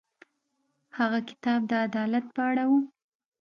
هغه کتاب د عدالت په اړه و.